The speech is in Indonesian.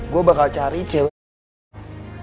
gue bakal cari cewek